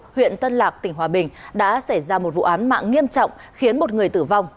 huyện tân lạc tỉnh hòa bình đã xảy ra một vụ án mạng nghiêm trọng khiến một người tử vong